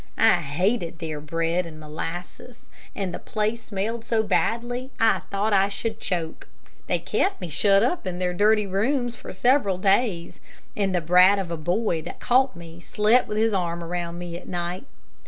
I hated their bread and molasses, and the place smelled so badly that I thought I should choke. "They kept me shut up in their dirty rooms for several days; and the brat of a boy that caught me slept with his arm around me at night.